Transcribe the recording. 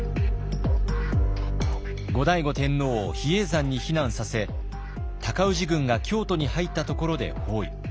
後醍醐天皇を比叡山に避難させ尊氏軍が京都に入ったところで包囲。